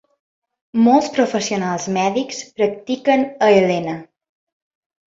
Molts professionals mèdics practiquen a Helena.